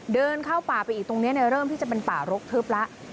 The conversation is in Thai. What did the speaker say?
เดินเข้าป่าไปอีกตรงนี้เริ่มที่จะเป็นป่ารกทึบแล้ว